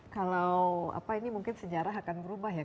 kalau apa ini mungkin sejarah akan berubah ya